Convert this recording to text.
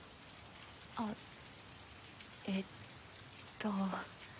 あえっと。